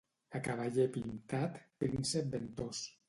A cavaller pintat, príncep ventós.